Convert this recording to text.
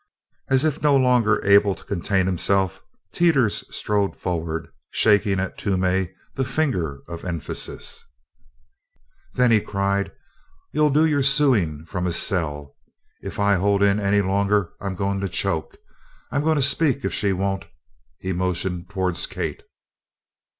As if no longer able to contain himself, Teeters strode forward, shaking at Toomey the finger of emphasis: "Then," he cried, "you'll do your suin' from a cell! If I hold in any longer I'm goin' to choke! I'm goin' to speak, if she won't." He motioned towards Kate.